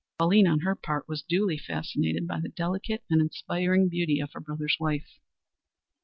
Pauline, on her part, was duly fascinated by the delicate and inspiring beauty of her brother's wife.